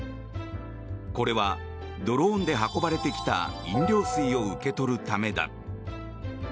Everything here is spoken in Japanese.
これはドローンで運ばれてきた飲料水を受け取るためだ。